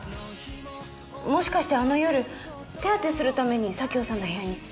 もしかしてあの夜手当てするために佐京さんの部屋に？